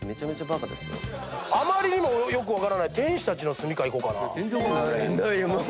あまりにもよく分からない「天使たちの住処」いこうかな。